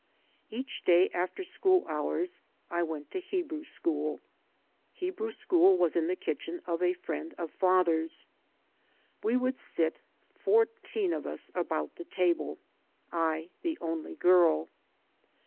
Each day after school hours I went to Hebrew school; Hebrew school was in the kitchen of a friend of father's. We would sit, fourteen of us, about the table, I the only girl.